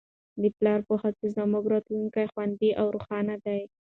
د پلار په هڅو زموږ راتلونکی خوندي او روښانه دی.